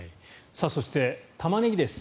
そしてタマネギです。